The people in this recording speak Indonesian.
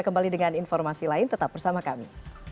kembali dengan informasi lain tetap bersama kami